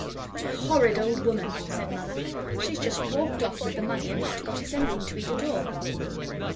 "What a horrid old woman!" said Mother; "she's just walked off with the money and not got us anything to eat at all."